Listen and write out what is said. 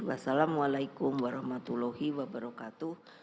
wassalamu'alaikum warahmatullahi wabarakatuh